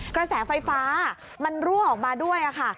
กระแสไฟฟ้ามันรั่วออกมาด้วยค่ะ